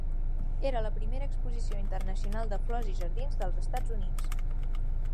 Era la primera exposició internacional de flors i jardins dels Estats Units.